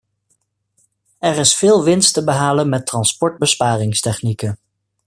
Er is veel winst te behalen met transportbesparingstechnieken.